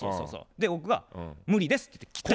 で僕が「無理です」って言って切った。